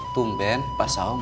tumben pak saung